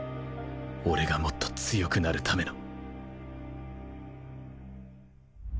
俺がもっと強くなるための